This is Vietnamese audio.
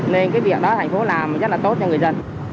nên cái việc đó thành phố làm rất là tốt cho người dân